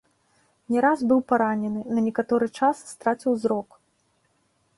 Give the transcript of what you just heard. Не раз быў паранены, на некаторы час страціў зрок.